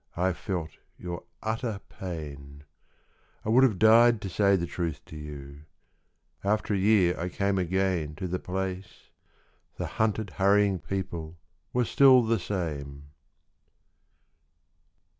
I felt your utter pain. I would have died to say the truth to you. After a year I came again to the place The hunted hurrying people were still the same....